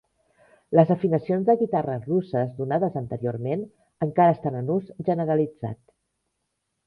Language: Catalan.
Les afinacions de guitarres russes donades anteriorment encara estan en ús generalitzat.